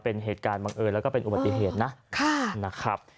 เป็นเหตุการณ์บังเอิญแล้วก็เป็นอุบัติเหตุนะนะครับ